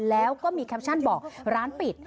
แล้วก็มีแคปชั่นบอกร้านปิด